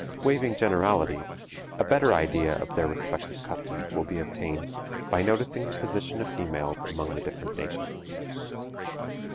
Waiving generalities, a better idea of their respective customs will be obtained by noticing the position of females among the different nations.